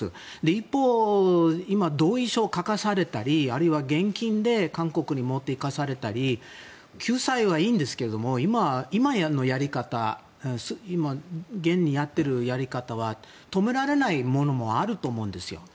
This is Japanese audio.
一方、同意書を書かされたり現金で韓国に持っていかされたり救済はいいんですけど今のやり方は止められないものもあると思うんですよ。